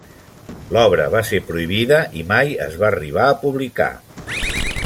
L'obra va ser prohibida i mai es va arribar a publicar.